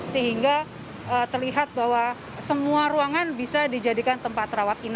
sehingga terlihat bahwa semua ruangan bisa dijadikan tempat rawat